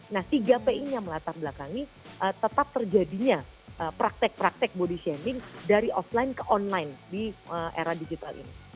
nah tiga pi yang melatar belakangi tetap terjadinya praktek praktek body shaming dari offline ke online di era digital ini